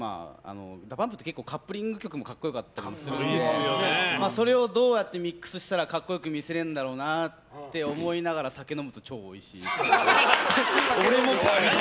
ＤＡＰＵＭＰってカップリング曲も格好良かったりするのでそれをどうやってミックスしたら格好良く見せられるんだろうなって思いながら酒飲むと超おいしい。